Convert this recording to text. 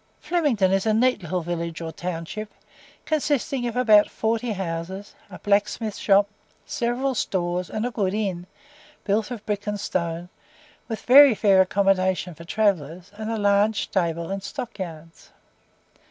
Flemington is a neat little village or town ship, consisting of about forty houses, a blacksmith's shop, several stores, and a good inn, built of brick and stone, with very fair accommodation for travellers, and a large stable and stock yards.